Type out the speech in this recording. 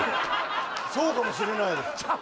そうかもしれないですちゃう